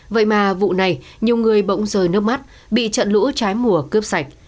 vậy mà vụ này nhiều người bỗng rời nước mắt bị trận lũ trái mùa cướp sạch